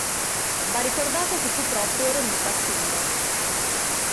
Va ricordato che fu proprio Romita Sr.